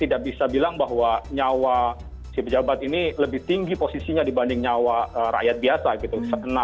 tidak bisa bilang bahwa nyawa si pejabat ini lebih tinggi posisinya dibanding nyawa rakyat biasa gitu